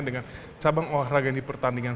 dengan cabang olahraga yang dipertandingan